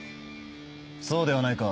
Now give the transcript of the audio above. そうではないか？